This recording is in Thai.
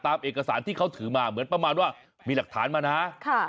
เอกสารที่เขาถือมาเหมือนประมาณว่ามีหลักฐานมานะ